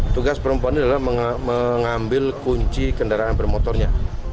tugas perempuan adalah mengambil kunci kendaraan bermotornya